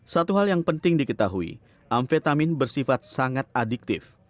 satu hal yang penting diketahui amfetamin bersifat sangat adiktif